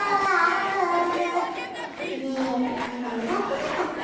ねえいまうたってなかった？